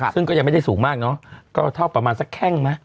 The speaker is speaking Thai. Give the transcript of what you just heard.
ซึ่งก็ยังไม่ได้สูงมากเนอะก็เท่าประมาณสักแข้งไหม